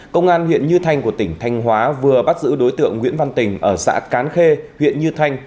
công an huyện như thanh của tỉnh thanh hóa vừa bắt giữ đối tượng nguyễn văn tình ở xã cán khê huyện như thanh